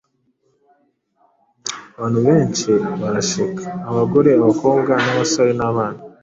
Abantu benshi barashika: abagore, abakobwa n'abasore n'abana.